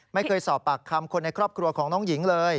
ไม่เคยสอบปากคำคนในครอบครัวของน้องหญิงเลย